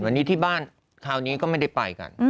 วันนี้ที่บ้านคราวนี้ก็ไม่ได้ไปกัน